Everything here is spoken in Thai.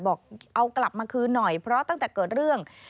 บอกเอากลับมาคืนหน่อยเพราะตั้งแต่เกิดเรื่อง